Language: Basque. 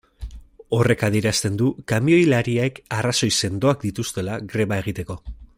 Horrek adierazten du kamioilariek arrazoi sendoak dituztela greba egiteko.